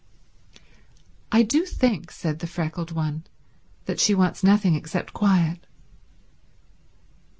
"I do think," said the freckled one, "that she wants nothing except quiet."